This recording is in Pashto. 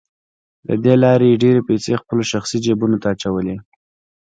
له دې لارې يې ډېرې پيسې خپلو شخصي جيبونو ته اچولې.